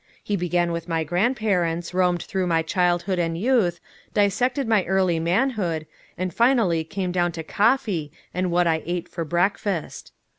He began with my grandparents, roamed through my childhood and youth, dissected my early manhood, and finally came down to coffee and what I ate for breakfast.